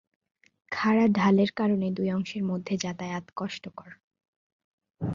খাড়া ঢালের কারণে দুই অংশের মধ্যে যাতায়াত কষ্টকর।